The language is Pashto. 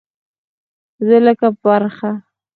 زه لکه پرخه